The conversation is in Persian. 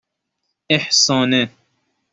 اِحسانه